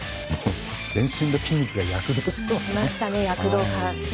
全身の筋肉が躍動してますね。